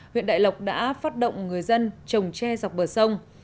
huyện đại lộc đã phát động người dân trồng tre dọc bờ sông